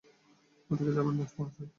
ওদিকে যাবেন না, মহাশয়।